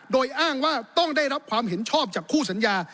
โดยอ้างว่าต้องได้รับความเห็นชอบจากคู่สัญญา